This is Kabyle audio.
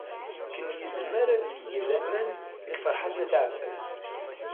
Ken yezmer ad yeg laman deg Ferḥat n At Ɛebbas.